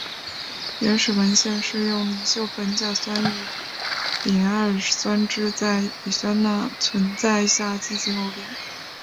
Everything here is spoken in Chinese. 原始文献是用邻溴苯甲酸与丙二酸酯在乙醇钠存在下进行偶联。